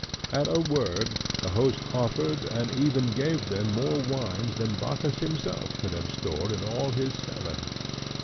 At a word, the host offered and even gave them more wines than Bacchus himself could have stored in all his cellars.